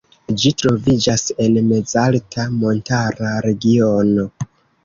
Ĝi troviĝas en mezalta montara regiono.